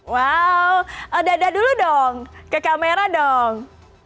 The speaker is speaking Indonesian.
wow dada dulu dong ke kamera dong